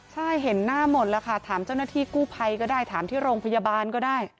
ใช่เห็นหน้าหมดแล้วค่ะถามเจ้าหน้าที่กู้ภัยก็ได้ถามที่โรงพยาบาลก็ได้